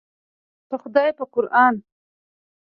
په خدای په قوران.